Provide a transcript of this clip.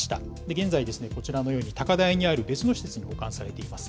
現在、こちらのように高台にある別の施設に保管されています。